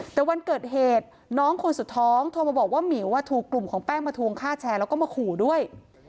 แต่วันเกิดเหตุน้องคนสุดท้องโทรมาบอกว่าหมิวถูกกลุ่มของแป้งมาทวงค่าแชร์แล้วก็มาขู่ด้วย